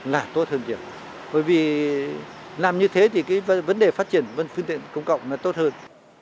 là tốt hơn nhiều bởi vì làm như thế thì vấn đề phát triển vận phương tiện công cộng là tốt hơn